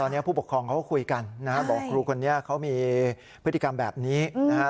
ตอนนี้ผู้ปกครองเขาก็คุยกันนะครับบอกครูคนนี้เขามีพฤติกรรมแบบนี้นะฮะ